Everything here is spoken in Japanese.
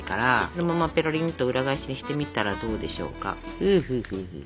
そのままぺろりんと裏返しにしてみたらどうでしょうか。